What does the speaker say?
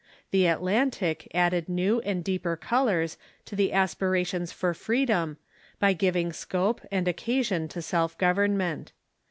The Atlantic added new and deeper colors to the aspirations for freedom by giving scope and oc casion to self government.